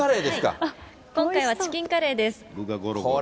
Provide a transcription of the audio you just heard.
今回はチキンカレーです。